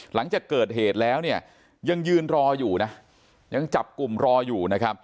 หลังจากเกิดเหตุแล้วยังยืนรออยู่ยังจับกลุ่มรออยู่